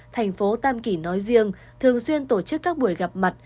thành phố tam kỳ nói riêng thường xuyên tổ chức các buổi gặp mặt